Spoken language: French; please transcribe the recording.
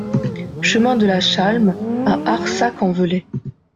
Chemin de la Chalm à Arsac-en-Velay